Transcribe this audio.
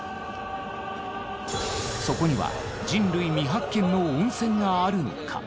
そこには人類未発見の温泉があるのか？